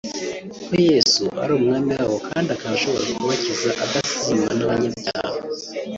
ko Yesu ari Umwami wabo kandi akaba ashobora kubakiza adasize inyuma n’abanyabyaha